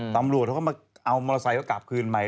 ตำรวจเขาก็มาเอามอเตอร์ไซค์เขากลับคืนใหม่